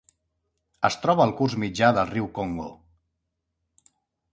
Es troba al curs mitjà del riu Congo.